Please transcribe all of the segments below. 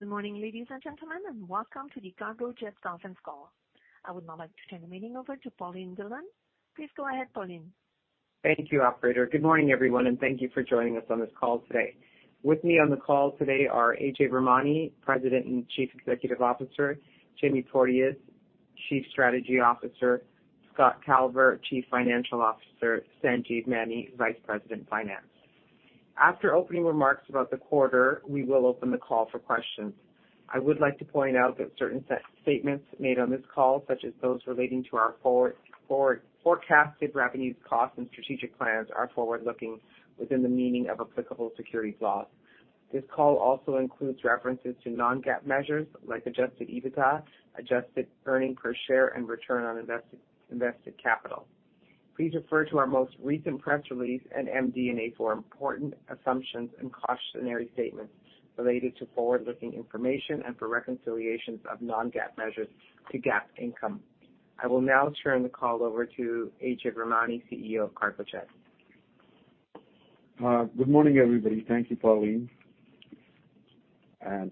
Good morning, ladies and gentlemen, and welcome to the Cargojet conference call. I would now like to turn the meeting over to Pauline Dhillon. Please go ahead, Pauline. Thank you, operator. Good morning, everyone, and thank you for joining us on this call today. With me on the call today are Ajay Virmani, President and Chief Executive Officer, Jamie Porteous, Chief Strategy Officer, Scott Calver, Chief Financial Officer, Sanjeev Maini, Vice President, Finance. After opening remarks about the quarter, we will open the call for questions. I would like to point out that certain statements made on this call, such as those relating to our forecasted revenues, costs, and strategic plans, are forward-looking within the meaning of applicable securities laws. This call also includes references to non-GAAP measures like adjusted EBITDA, adjusted earnings per share, and Return on Invested Capital. Please refer to our most recent press release and MD&A for important assumptions and cautionary statements related to forward-looking information and for reconciliations of non-GAAP measures to GAAP income. I will now turn the call over to Ajay Virmani, CEO of Cargojet. Good morning, everybody. Thank you, Pauline.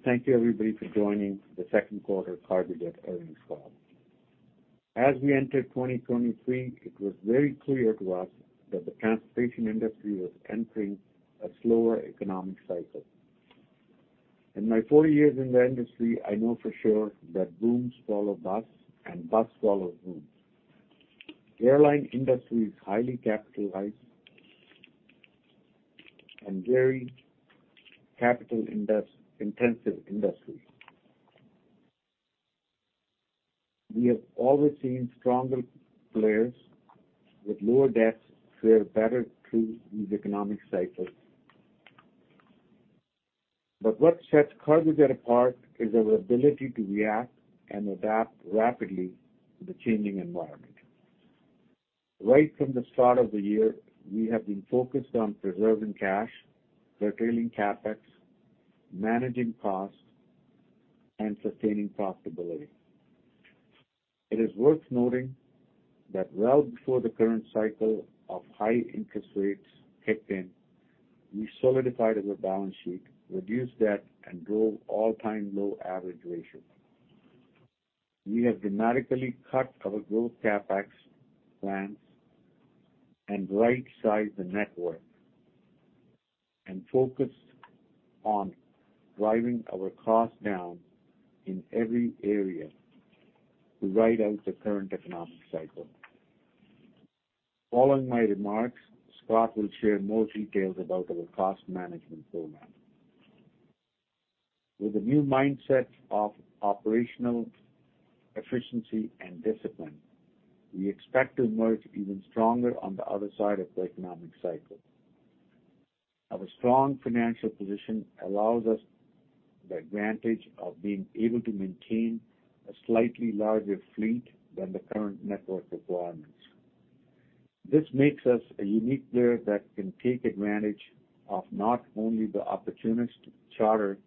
Thank you, everybody, for joining the second quarter Cargojet earnings call. As we entered 2023, it was very clear to us that the transportation industry was entering a slower economic cycle. In my four years in the industry, I know for sure that booms follow busts and busts follow booms. The airline industry is highly capitalized and very capital-intensive industry. We have always seen stronger players with lower debts fare better through these economic cycles. What sets Cargojet apart is our ability to react and adapt rapidly to the changing environment. Right from the start of the year, we have been focused on preserving cash, curtailing CapEx, managing costs, and sustaining profitability. It is worth noting that well before the current cycle of high interest rates kicked in, we solidified our balance sheet, reduced debt, and drove all-time low average ratios. We have dramatically cut our growth CapEx plans and rightsized the network and focused on driving our costs down in every area to ride out the current economic cycle. Following my remarks, Scott will share more details about our cost management program. With a new mindset of operational efficiency and discipline, we expect to emerge even stronger on the other side of the economic cycle. Our strong financial position allows us the advantage of being able to maintain a slightly larger fleet than the current network requirements. This makes us a unique player that can take advantage of not only the opportunist charter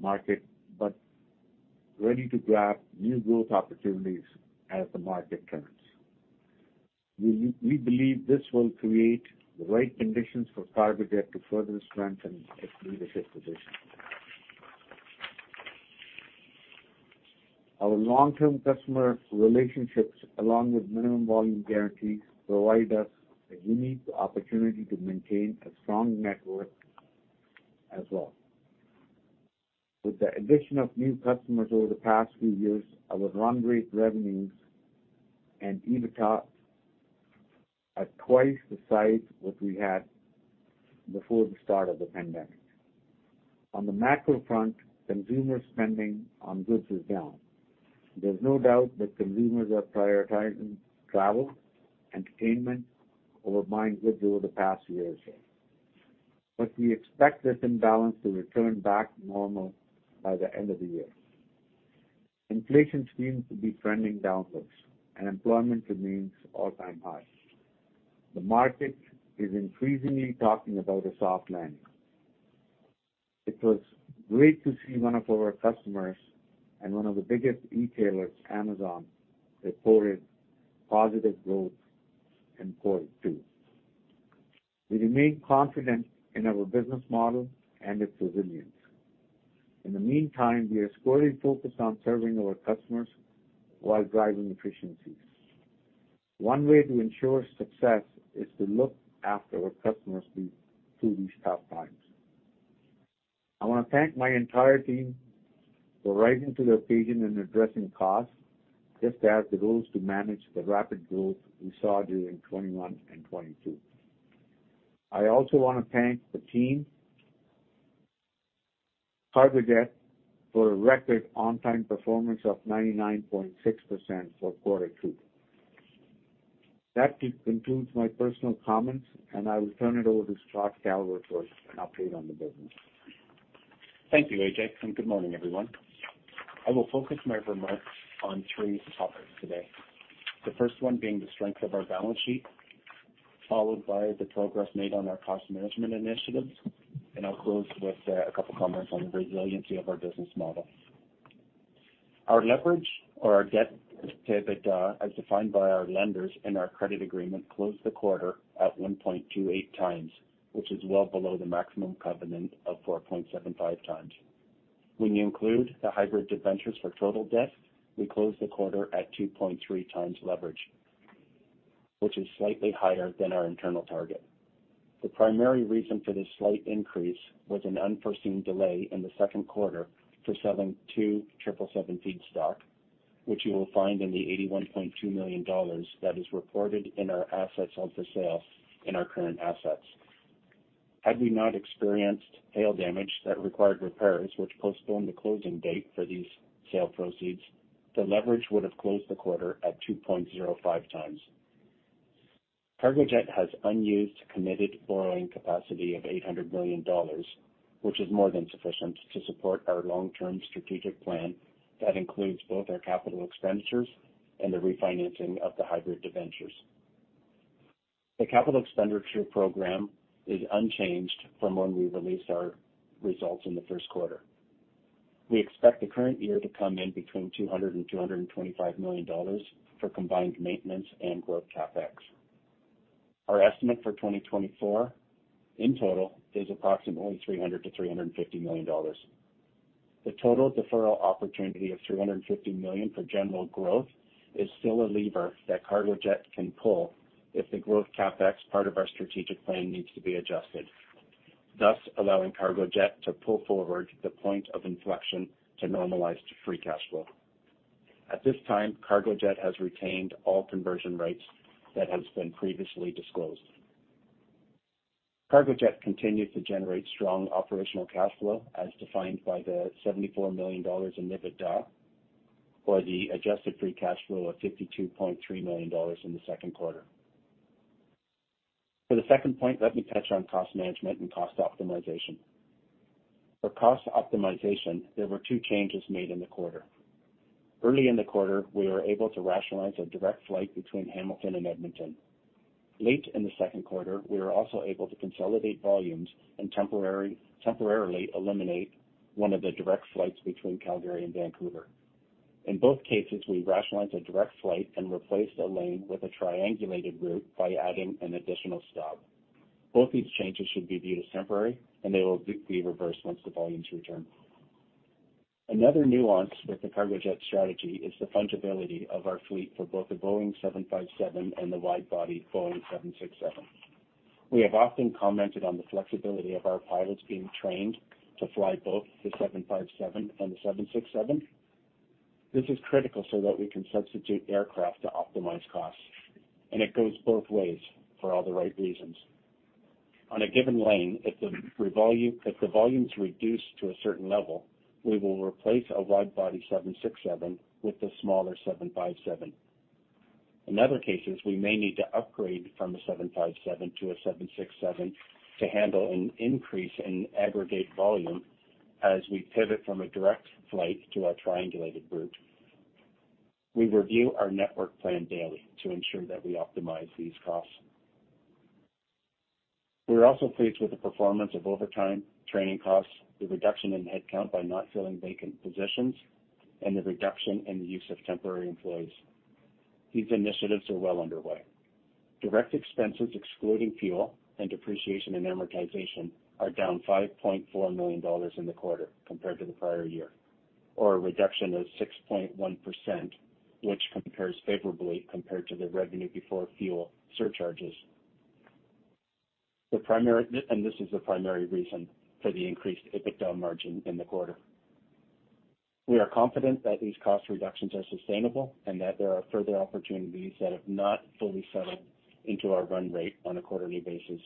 market, but ready to grab new growth opportunities as the market turns. We believe this will create the right conditions for Cargojet to further strengthen its leadership position. Our long-term customer relationships, along with minimum volume guarantees, provide us a unique opportunity to maintain a strong network as well. With the addition of new customers over the past few years, our run rate revenues and EBITDA are twice the size what we had before the start of the pandemic. On the macro front, consumer spending on goods is down. There's no doubt that consumers are prioritizing travel, entertainment over buying goods over the past year or so. We expect this imbalance to return back to normal by the end of the year. Inflation seems to be trending downwards, and employment remains all-time high. The market is increasingly talking about a soft landing. It was great to see one of our customers and one of the biggest e-tailers, Amazon, reported positive growth in Q2. We remain confident in our business model and its resilience. In the meantime, we are squarely focused on serving our customers while driving efficiencies. One way to ensure success is to look after our customers through these tough times. I want to thank my entire team for rising to the occasion and addressing costs, just as it was to manage the rapid growth we saw during 2021 and 2022. I also want to thank the team, Cargojet, for a record on-time performance of 99.6% for quarter two. That concludes my personal comments, and I will turn it over to Scott Calver for an update on the business. Thank you, Ajay, and good morning, everyone. I will focus my remarks on three topics today. The first one being the strength of our balance sheet, followed by the progress made on our cost management initiatives, and I'll close with a couple comments on the resiliency of our business model. Our leverage or our debt-to-EBITDA, as defined by our lenders in our credit agreement, closed the quarter at 1.28x, which is well below the maximum covenant of 4.75x. When you include the hybrid debentures for total debt, we closed the quarter at 2.3x leverage, which is slightly higher than our internal target. The primary reason for this slight increase was an unforeseen delay in the second quarter for selling two 777 feedstock, which you will find in the 81.2 million dollars that is reported in our assets held for sale in our current assets. Had we not experienced hail damage that required repairs, which postponed the closing date for these sale proceeds, the leverage would have closed the quarter at 2.05x. Cargojet has unused committed borrowing capacity of 800 million dollars, which is more than sufficient to support our long-term strategic plan that includes both our capital expenditures and the refinancing of the hybrid debentures. The capital expenditure program is unchanged from when we released our results in the first quarter. We expect the current year to come in between 200 million dollars and CAD 225 million for combined maintenance and growth CapEx. Our estimate for 2024 in total is approximately 300 million-350 million dollars. The total deferral opportunity of 350 million for general growth is still a lever that Cargojet can pull if the growth CapEx part of our strategic plan needs to be adjusted, thus allowing Cargojet to pull forward the point of inflection to normalize to free cash flow. At this time, Cargojet has retained all conversion rights that has been previously disclosed. Cargojet continues to generate strong operational cash flow as defined by the 74 million dollars in EBITDA or the adjusted free cash flow of 52.3 million dollars in the second quarter. For the second point, let me touch on cost management and cost optimization. For cost optimization, there were two changes made in the quarter. Early in the quarter, we were able to rationalize a direct flight between Hamilton and Edmonton. Late in the second quarter, we were also able to consolidate volumes and temporarily eliminate one of the direct flights between Calgary and Vancouver. In both cases, we rationalized a direct flight and replaced a lane with a triangulated route by adding an additional stop. Both these changes should be viewed as temporary, and they will be reversed once the volumes return. Another nuance with the Cargojet strategy is the fungibility of our fleet for both the Boeing 757 and the wide-body Boeing 767. We have often commented on the flexibility of our pilots being trained to fly both the 757 and the 767. This is critical so that we can substitute aircraft to optimize costs, and it goes both ways for all the right reasons. On a given lane, if the volume is reduced to a certain level, we will replace a wide-body 767 with the smaller 757. In other cases, we may need to upgrade from a 757 to a 767 to handle an increase in aggregate volume as we pivot from a direct flight to our triangulated route. We review our network plan daily to ensure that we optimize these costs. We are also pleased with the performance of overtime training costs, the reduction in headcount by not filling vacant positions, and the reduction in the use of temporary employees. These initiatives are well underway. Direct expenses, excluding fuel and depreciation and amortization, are down 5.4 million dollars in the quarter compared to the prior year, or a reduction of 6.1%, which compares favorably compared to the revenue before fuel surcharges. This is the primary reason for the increased EBITDA margin in the quarter. We are confident that these cost reductions are sustainable and that there are further opportunities that have not fully settled into our run rate on a quarterly basis.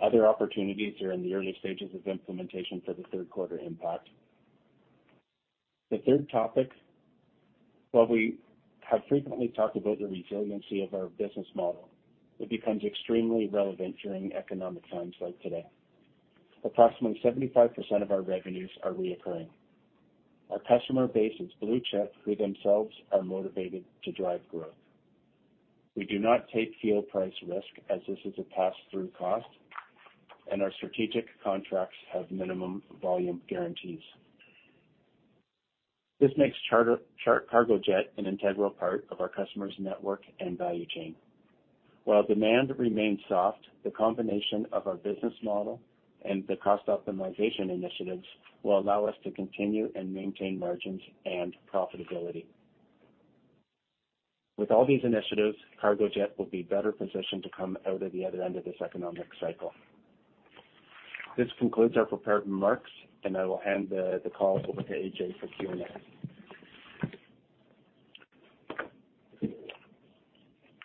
Other opportunities are in the early stages of implementation for the third quarter impact. The third topic, while we have frequently talked about the resiliency of our business model, it becomes extremely relevant during economic times like today. Approximately 75% of our revenues are reoccurring. Our customer base is blue-chip, who themselves are motivated to drive growth. We do not take fuel price risk as this is a pass-through cost, and our strategic contracts have minimum volume guarantees. This makes Cargojet an integral part of our customers' network and value chain. While demand remains soft, the combination of our business model and the cost optimization initiatives will allow us to continue and maintain margins and profitability. With all these initiatives, Cargojet will be better positioned to come out of the other end of this economic cycle. This concludes our prepared remarks. I will hand the call over to Ajay for Q&A.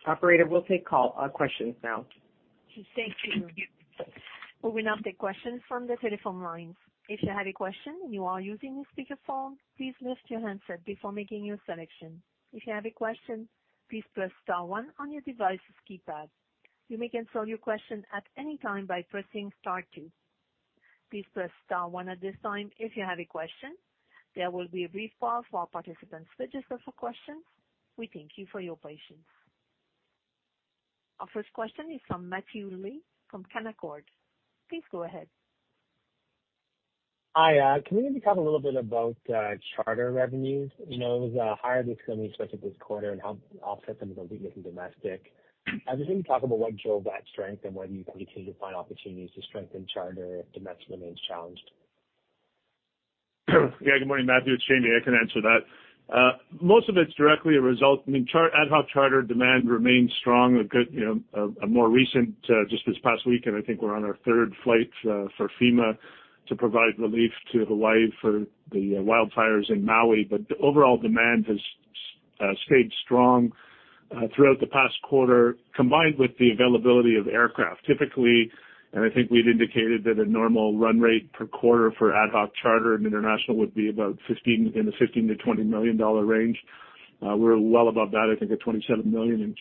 Operator, we'll take questions now. Thank you. We will now take questions from the telephone line. If you have a question and you are using the speakerphone, please lift your handset before making your selection. If you have a question, please press star one on your device keypad. You may cancel your questions at any time by pressing star two. Please press star one at this time if you have a question. There will be a brief pause while participants register for questions. We thank you for your patience. Our first question is from Matthew Lee from Canaccord. Please go ahead. Hi. Can you maybe talk a little bit about charter revenues? It was higher this time, especially this quarter, and helped offset some of the weakness in domestic. I was wondering if you can talk about what drove that strength and whether you can continue to find opportunities to strengthen charter if domestic remains challenged. Good morning, Matthew. It's Jamie. I can answer that. Ad hoc charter demand remains strong. A more recent, just this past week, and I think we're on our third flight for FEMA to provide relief to Hawaii for the wildfires in Maui. The overall demand has stayed strong throughout the past quarter, combined with the availability of aircraft. Typically, I think we've indicated that a normal run rate per quarter for ad hoc charter and international would be about in the 15 million-20 million dollar range. We're well above that, I think at 27 million in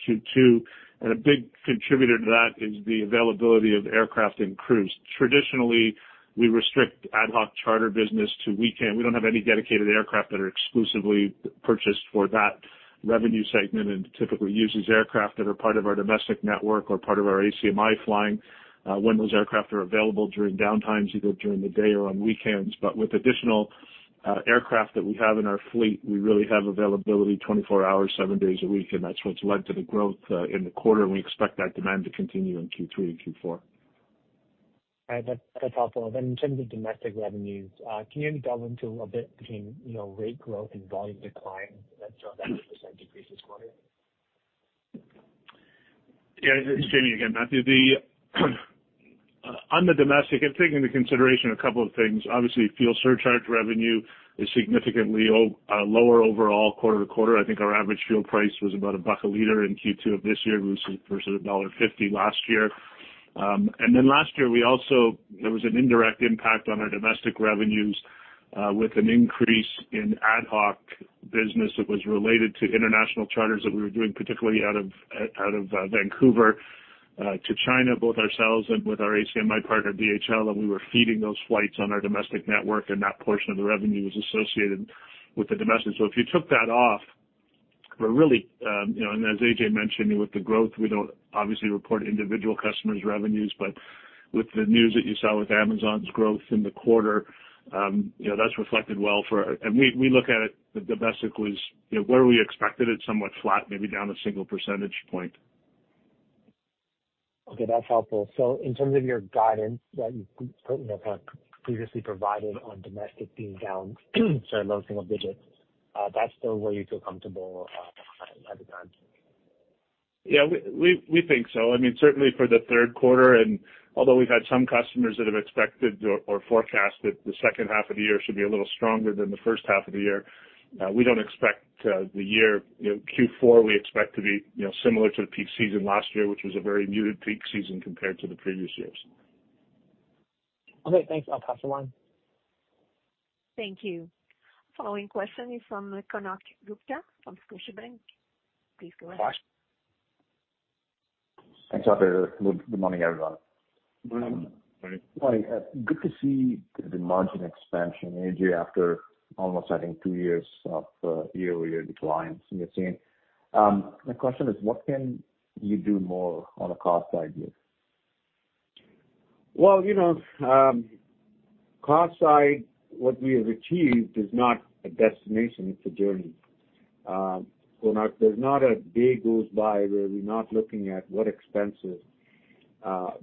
Q2, a big contributor to that is the availability of aircraft and crews. Traditionally, we restrict ad hoc charter business to weekend. We don't have any dedicated aircraft that are exclusively purchased for that revenue segment, and typically use these aircraft that are part of our domestic network or part of our ACMI flying when those aircraft are available during downtimes, either during the day or on weekends. With additional aircraft that we have in our fleet, we really have availability 24 hours, seven days a week, and that's what's led to the growth in the quarter, and we expect that demand to continue in Q3 and Q4. All right. That's helpful. In terms of domestic revenues, can you maybe delve into a little bit between rate growth and volume decline that drove that 2% decrease this quarter? Yeah. It's Jamie again, Matthew. On the domestic, I'd take into consideration a couple of things. Obviously, fuel surcharge revenue is significantly lower overall quarter-to-quarter. I think our average fuel price was about CAD 1 a liter in Q2 of this year versus dollar 1.50 last year. Last year, there was an indirect impact on our domestic revenues with an increase in ad hoc business that was related to international charters that we were doing, particularly out of Vancouver to China, both ourselves and with our ACMI partner, DHL, and we were feeding those flights on our domestic network, and that portion of the revenue was associated with the domestic. If you took that off, and as Ajay mentioned, with the growth, we don't obviously report individual customers' revenues, but with the news that you saw with Amazon's growth in the quarter, that's reflected well for. We look at it, the domestic was where we expected it, somewhat flat, maybe down a single percentage point. Okay, that's helpful. In terms of your guidance that you previously provided on domestic being down low single digits, that's still where you feel comfortable at the time? Yeah, we think so. Certainly for the third quarter, although we've had some customers that have expected or forecasted the second half of the year should be a little stronger than the first half of the year. We don't expect the year. Q4, we expect to be similar to the peak season last year, which was a very muted peak season compared to the previous years. Okay, thanks. I'll pass the line. Thank you. Following question is from Konark Gupta from Scotiabank. Please go ahead. Thanks, operator. Good morning, everyone. Morning. Good to see the margin expansion, Ajay, after almost, I think, two years of year-over-year declines in the team. My question is, what can you do more on a cost side here? Well, cost side, what we have achieved is not a destination, it's a journey. Konark, there's not a day goes by where we're not looking at what expenses. These are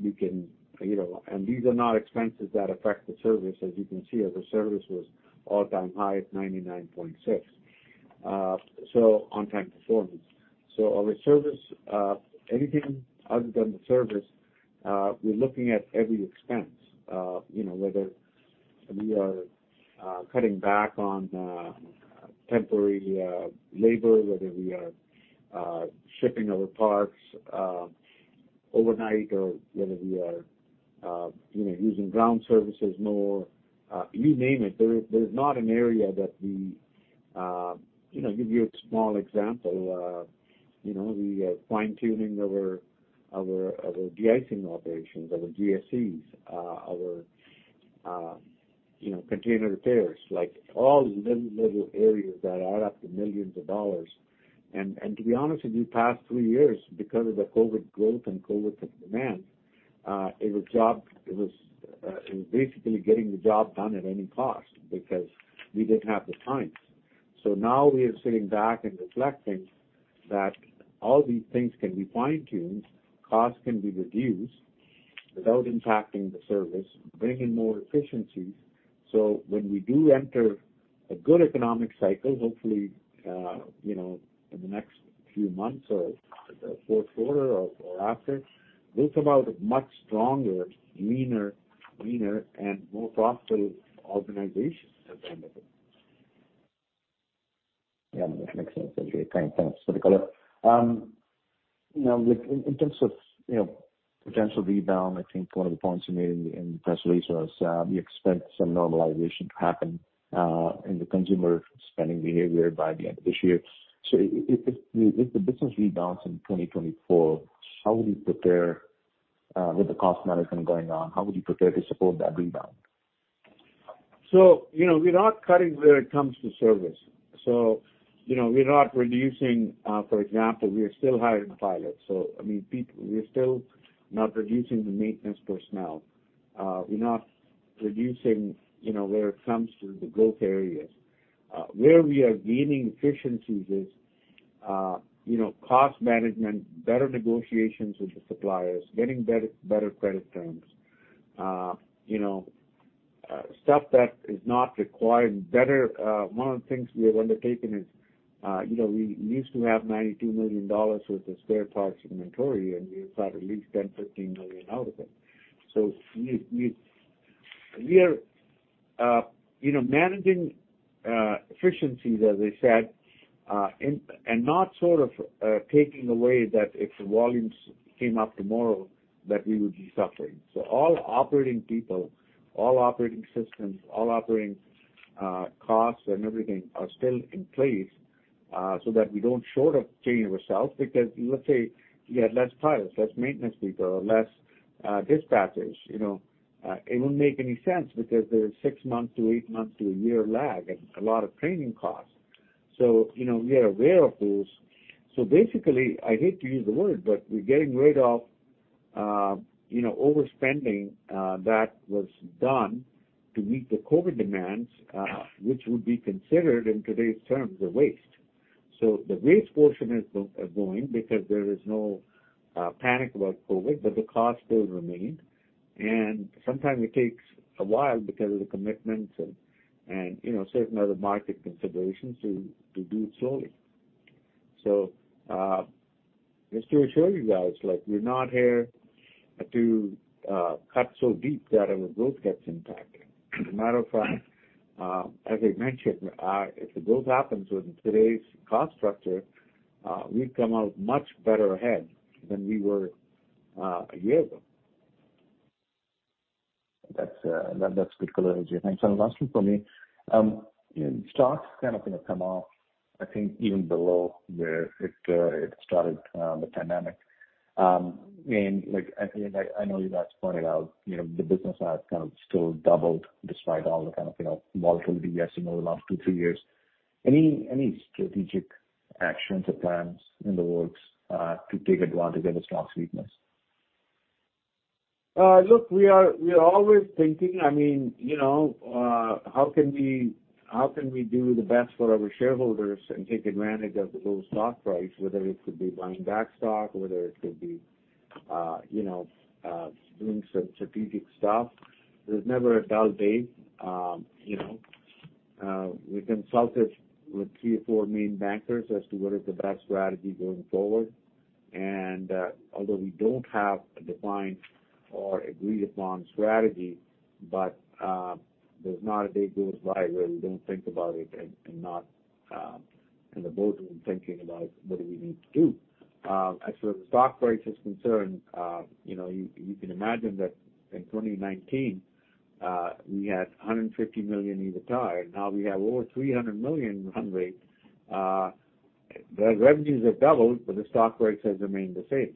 not expenses that affect the service, as you can see. Our service was all-time high at 99.6 on-time performance. Our service, anything other than the service, we're looking at every expense. Whether we are cutting back on temporary labor, whether we are shipping our parts overnight or whether we are using ground services more. You name it. There is not an area. I'll give you a small example. We are fine-tuning our de-icing operations, our GSE, our container repairs. All these little areas that add up to millions of dollars. To be honest with you, past three years, because of the COVID growth and COVID demand, it was basically getting the job done at any cost because we didn't have the time. Now we are sitting back and reflecting that all these things can be fine-tuned, costs can be reduced without impacting the service, bring in more efficiencies. When we do enter a good economic cycle, hopefully in the next few months or the fourth quarter or after, we'll come out a much stronger, leaner, greener, and more profitable organization at the end of it. Yeah, that makes sense, Ajay. Thanks for the color. In terms of potential rebound, I think one of the points you made in the press release was you expect some normalization to happen in the consumer spending behavior by the end of this year. If the business rebounds in 2024, with the cost management going on, how would you prepare to support that rebound? We're not cutting where it comes to service. We're not reducing, for example, we are still hiring pilots. We're still not reducing the maintenance personnel. We're not reducing where it comes to the growth areas. Where we are gaining efficiencies is cost management, better negotiations with the suppliers, getting better credit terms, stuff that is not required. One of the things we have undertaken is, we used to have 92 million dollars worth of spare parts inventory, and we have cut at least 10 million, 15 million out of it. We are managing efficiencies, as I said, and not sort of taking away that if the volumes came up tomorrow, that we would be suffering. All operating people, all operating systems, all operating costs and everything are still in place, so that we don't short-change ourselves. Let's say we had less pilots, less maintenance people, or less dispatchers, it wouldn't make any sense because there's six months to eight months to a year lag and a lot of training costs. We are aware of those. Basically, I hate to use the word, but we're getting rid of overspending that was done to meet the COVID demands, which would be considered, in today's terms, a waste. The waste portion is going because there is no panic about COVID, but the cost still remains. Sometimes it takes a while because of the commitments and certain other market considerations to do it slowly. Just to assure you guys, we're not here to cut so deep that our growth gets impacted. As a matter of fact, as I mentioned, if the growth happens with today's cost structure, we've come out much better ahead than we were one year ago. That's good color, Ajay. Thanks. One last one from me. Stock's kind of going to come off, I think, even below where it started the pandemic. I know you guys pointed out the business has kind of still doubled despite all the kind of volatility I've seen over the last two, three years. Any strategic actions or plans in the works to take advantage of the stock's weakness? Look, we are always thinking, how can we do the best for our shareholders and take advantage of the low stock price, whether it could be buying back stock, whether it could be doing some strategic stuff. There's never a dull day. We've consulted with three or four main bankers as to what is the best strategy going forward, and although we don't have a defined or agreed-upon strategy, but there's not a day goes by where we don't think about it and not in the boardroom thinking about what do we need to do. As far as the stock price is concerned, you can imagine that in 2019, we had 150 million EBITDA, and now we have over 300 million run rate. The revenues have doubled, but the stock price has remained the same.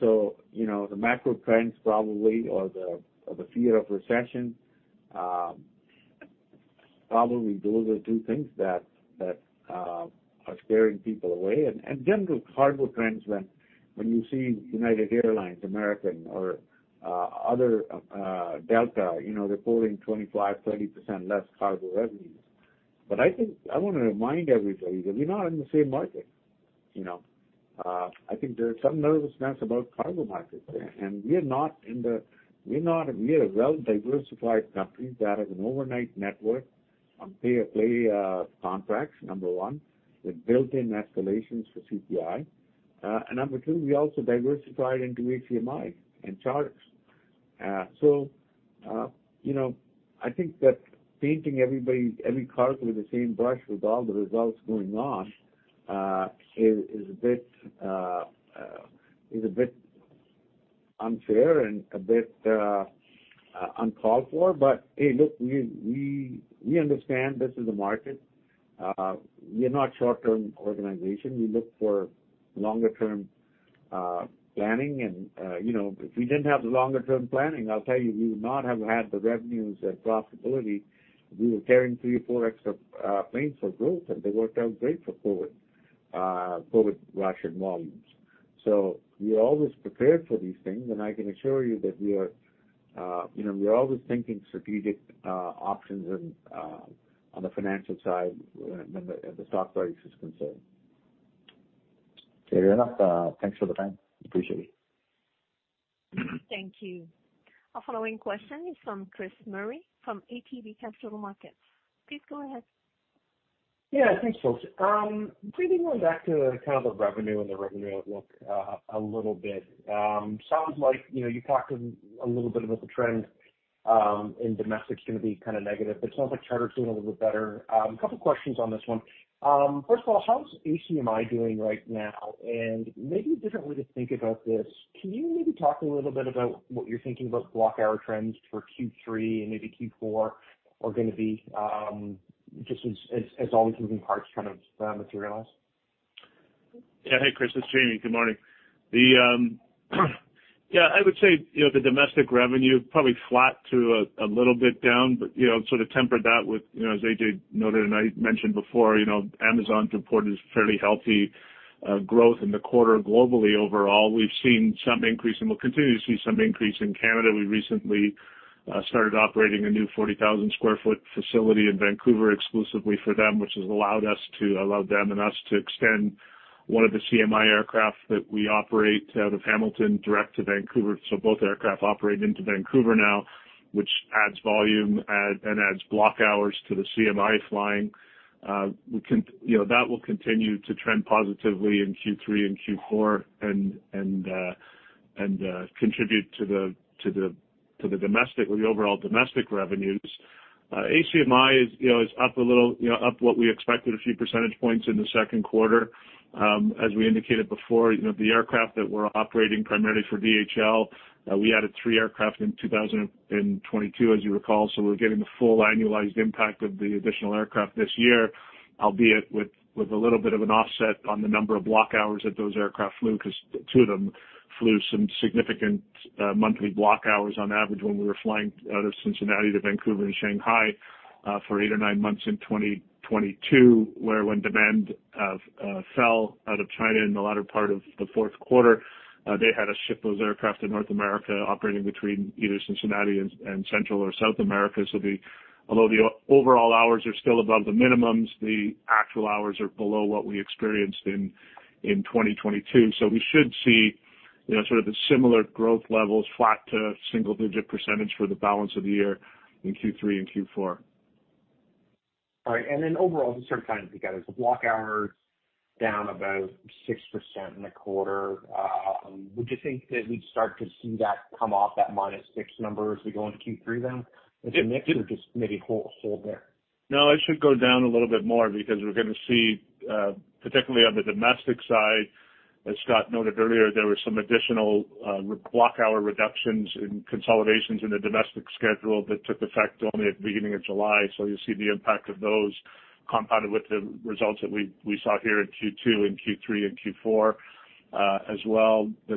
The macro trends probably, or the fear of recession, probably those are two things that are scaring people away. General cargo trends, when you see United Airlines, American or Delta, reporting 25%, 30% less cargo revenues. I want to remind everybody that we're not in the same market. I think there's some nervousness about cargo markets there, and we're a well-diversified company that has an overnight network on pay-to-play contracts, number one, with built-in escalations for CPI. Number two, we also diversified into ACMI and charters. I think that painting every cargo with the same brush with all the results going on, is a bit unfair and a bit uncalled for. Hey, look, we understand this is a market. We're not short-term organization. We look for longer term planning. If we didn't have the longer term planning, I'll tell you, we would not have had the revenues and profitability. We were carrying three or four extra planes for growth, and they worked out great for COVID rush and volumes. We are always prepared for these things, and I can assure you that we are always thinking strategic options on the financial side when the stock price is concerned. Fair enough. Thanks for the time. Appreciate it. Thank you. Our following question is from Chris Murray from ATB Capital Markets. Please go ahead. Thanks, folks. Maybe going back to kind of the revenue and the revenue outlook a little bit. Sounds like you talked a little bit about the trend in domestic is going to be kind of negative, but it sounds like charter is doing a little bit better. A couple questions on this one. First of all, how is ACMI doing right now? Maybe a different way to think about this, can you maybe talk a little bit about what you're thinking about block hour trends for Q3 and maybe Q4 are going to be, just as all the moving parts kind of materialize? Hey, Chris, it's Jamie. Good morning. I would say, the domestic revenue, probably flat to a little bit down. Temper that with, as Ajay noted and I mentioned before, Amazon's reported fairly healthy growth in the quarter globally. Overall, we've seen some increase and we'll continue to see some increase in Canada. We recently started operating a new 40,000 sq ft facility in Vancouver exclusively for them, which has allowed them and us to extend one of the CMI aircraft that we operate out of Hamilton direct to Vancouver. Both aircraft operate into Vancouver now, which adds volume and adds block hours to the CMI flying. That will continue to trend positively in Q3 and Q4 and contribute to the overall domestic revenues. ACMI is up a little, up what we expected, a few percentage points in the second quarter. As we indicated before, the aircraft that we're operating primarily for DHL, we added three aircraft in 2022, as you recall. We're getting the full annualized impact of the additional aircraft this year, albeit with a little bit of an offset on the number of block hours that those aircraft flew, because two of them flew some significant monthly block hours on average when we were flying out of Cincinnati to Vancouver and Shanghai for eight or nine months in 2022, where when demand fell out of China in the latter part of the fourth quarter, they had to shift those aircraft in North America operating between either Cincinnati and Central or South America. Although the overall hours are still above the minimums, the actual hours are below what we experienced in 2022. We should see sort of the similar growth levels, flat to single-digit percentage for the balance of the year in Q3 and Q4. All right. Overall, just trying to tie this together. Block hours down about 6% in the quarter. Would you think that we'd start to see that come off that -6 number as we go into Q3 then? With the mix or just maybe hold there? No, it should go down a little bit more because we're going to see, particularly on the domestic side, as Scott noted earlier, there were some additional block hour reductions in consolidations in the domestic schedule that took effect only at the beginning of July. You'll see the impact of those compounded with the results that we saw here in Q2 and Q3 and Q4. As well, the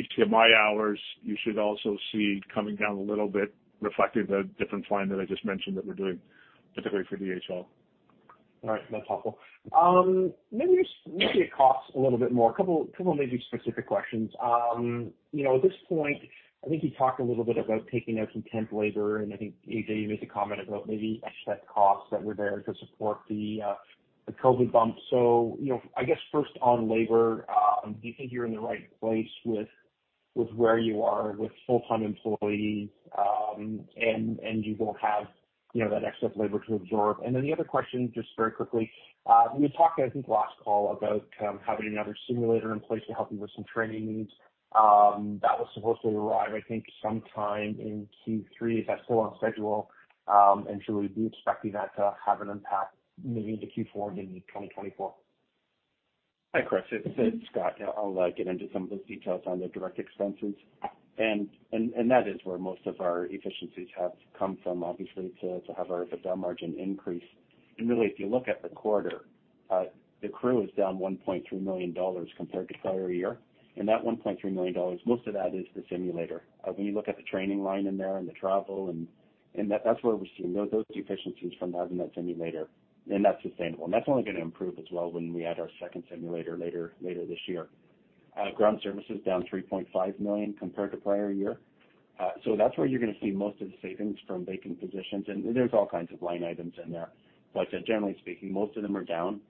ACMI hours, you should also see coming down a little bit, reflecting the different flying that I just mentioned that we're doing specifically for DHL. All right. That's helpful. Maybe it costs a little bit more. Couple maybe specific questions. At this point, I think you talked a little bit about taking out some temp labor, and I think Ajay made a comment about maybe excess costs that were there to support the COVID bump. I guess first on labor, do you think you're in the right place with where you are with full-time employees, and you will have that excess labor to absorb? The other question, just very quickly, you had talked, I think last call about having another simulator in place to help you with some training needs. That was supposed to arrive, I think, sometime in Q3. Is that still on schedule? Should we be expecting that to have an impact maybe into Q4 and maybe 2024? Hi, Chris. It's Scott. I'll get into some of the details on the direct expenses. That is where most of our efficiencies have come from, obviously, to have our EBITDA margin increase. Really, if you look at the quarter, the crew is down 1.3 million dollars compared to prior year. That 1.3 million dollars, most of that is the simulator. When you look at the training line in there and the travel, and that's where we're seeing those efficiencies from having that simulator, and that's sustainable. That's only going to improve as well when we add our second simulator later this year. Ground services down 3.5 million compared to prior year. That's where you're going to see most of the savings from vacant positions, and there's all kinds of line items in there. Generally speaking, most of them are down,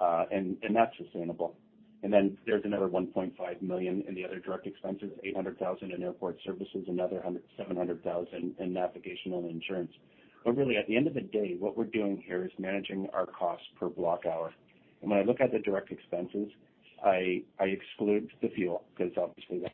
and that's sustainable. There's another 1.5 million in the other direct expenses, 800,000 in airport services, another 700,000 in navigation and insurance. At the end of the day, what we're doing here is managing our cost per block hour. When I look at the direct expenses, I exclude the fuel, because obviously that-